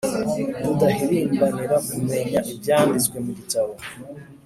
dudahirimbanire kumenya ibyanditswe mu gitabo